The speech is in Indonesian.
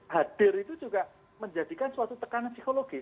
hadir itu juga menjadikan suatu tekanan psikologis